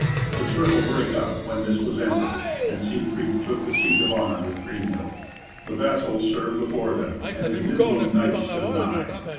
The circle brake up when this was ended, and Siegfried took the seat of honour with Kriemhild. The vassals served before them, and his Nibelung knights stood nigh.